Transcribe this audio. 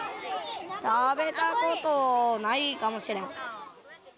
食べたことないかもしれん。